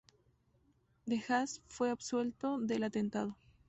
De Haas fue absuelto del atentado.